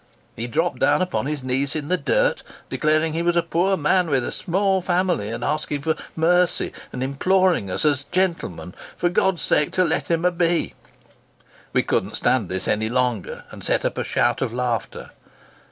He dropped down upon his knees in the dirt, declaring he was a poor man, with a sma' family, asking for 'mercy,' and imploring us, as 'gentlemen, for God's sake, t' let him a be!' We couldn't stand this any longer, and set up a shout of laughter.